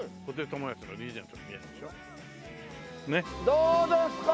どうですか？